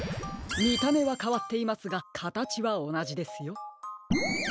みためはかわっていますがかたちはおなじですよ。